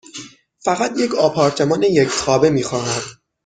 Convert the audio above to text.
فقط یک آپارتمان یک خوابه می خواهم.